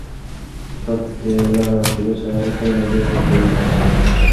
که تاسي کیله له شیدو سره وخورئ نو ډېر به قوي شئ.